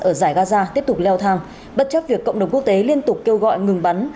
ở giải gaza tiếp tục leo thang bất chấp việc cộng đồng quốc tế liên tục kêu gọi ngừng bắn